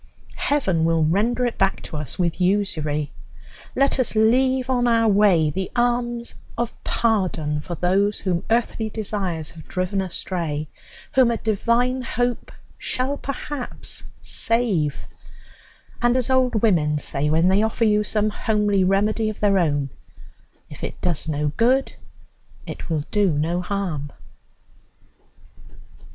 Heaven will render it back to us with usury. Let us leave on our way the alms of pardon for those whom earthly desires have driven astray, whom a divine hope shall perhaps save, and, as old women say when they offer you some homely remedy of their own, if it does no good it will do no harm.